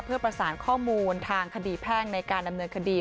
เพื่อประสานข้อมูลทางคดีแพ่งในการดำเนินคดี